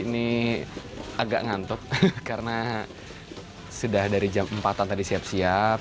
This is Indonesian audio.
ini agak ngantuk karena sudah dari jam empat an tadi siap siap